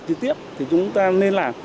nếu chúng ta không làm tiếp thì chúng ta nên làm